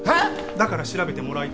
だから調べてもらいたいんです。